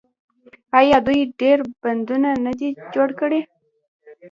آیا دوی ډیر بندونه نه دي جوړ کړي؟